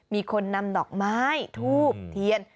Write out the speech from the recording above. มีคนนำดอกไม้ทูบเทียน